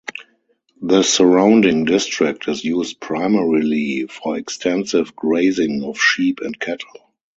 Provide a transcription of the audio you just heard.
The surrounding district is used primarily for extensive grazing of sheep and cattle.